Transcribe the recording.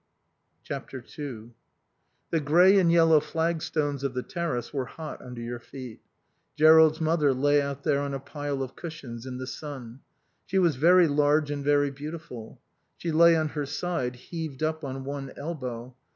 ii The grey and yellow flagstones of the terrace were hot under your feet. Jerrold's mother lay out there on a pile of cushions, in the sun. She was very large and very beautiful. She lay on her side, heaved up on one elbow.